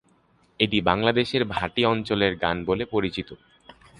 এটি বাংলাদেশের ভাটি অঞ্চলের গান বলে পরিচিত।